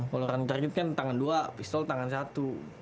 kalau running target kan tangan dua pistol tangan satu